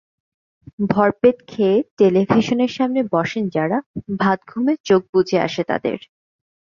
ভরপেট খেয়ে টেলিভিশনের সামনে বসেন যাঁরা, ভাতঘুমে চোখ বুজে আসে তাঁদের।